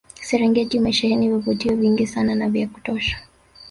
Serengeti imesheheni vivutio vingi sana na vya kutosha